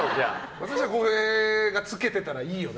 松下洸平がつけてたらいいよね。